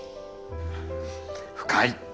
深い！